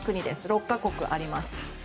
６か国あります。